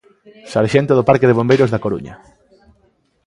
Sarxento do parque de bombeiros da Coruña.